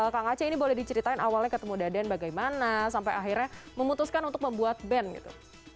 kang aceh ini boleh diceritain awalnya ketemu daden bagaimana sampai akhirnya memutuskan untuk membuat band gitu